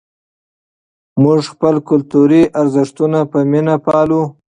موږ خپل کلتوري ارزښتونه په مینه پالو.